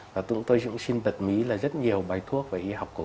và tụi tôi cũng xin bật mí là rất nhiều bài thuốc và y học cổ